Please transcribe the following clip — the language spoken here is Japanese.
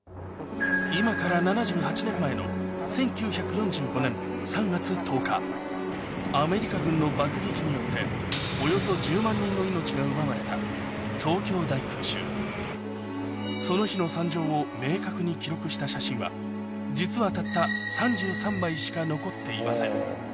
今から７８年前のアメリカ軍の爆撃によっておよそ１０万人の命が奪われた東京大空襲その日の惨状を明確に記録した写真は実はたったしか残っていません